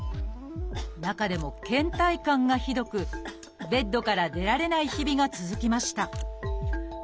中でもけん怠感がひどくベッドから出られない日々が続きました。